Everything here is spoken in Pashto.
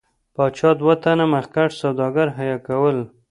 پاچا دوه تنه مخکښ سوداګر حیه کول.